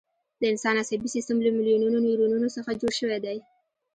د انسان عصبي سیستم له میلیونونو نیورونونو څخه جوړ شوی دی.